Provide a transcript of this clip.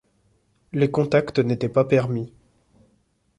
Les contacts n'étaient pas permis.